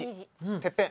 てっぺん。